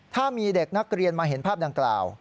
ถ้ามีเด็กนักเรียนมาเห็นภาพดังกล่าว